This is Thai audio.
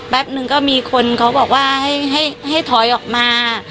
หนึ่งก็มีคนเขาบอกว่าให้ถอยออกมา